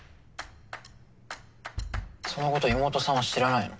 そのこと妹さんは知らないの？